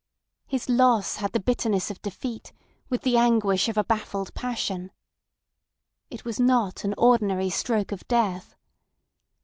His loss had the bitterness of defeat, with the anguish of a baffled passion. It was not an ordinary stroke of death.